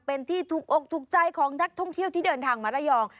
เป็นที่ถูกอกถูกใจของนักท่องเที่ยวที่เดินทางมาระยอง